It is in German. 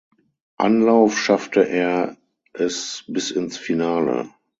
Anlauf schaffte er es bis ins Finale.